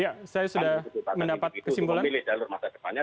kami kekuatan itu untuk memilih jalur masa depannya